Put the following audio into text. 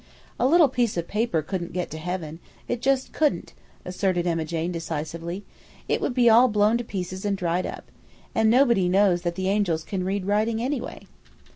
"A little piece of paper couldn't get to heaven; it just couldn't," asserted Emma Jane decisively. "It would be all blown to pieces and dried up. And nobody knows that the angels can read writing, anyway."